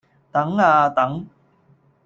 等呀等！